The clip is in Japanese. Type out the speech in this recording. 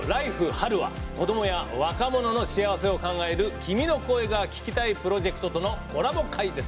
春」は子どもや若者の幸せを考える「君の声が聴きたい」プロジェクトとのコラボ回です。